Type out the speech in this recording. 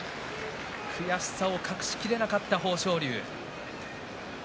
悔しさを隠し切れなかった豊昇龍。